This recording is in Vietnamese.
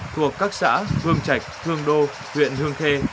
thuộc các xã hương trạch hương đô huyện hương khê